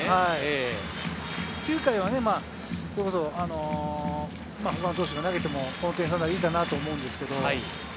９回は、他の投手が投げてもいいかなと思うんですけれど。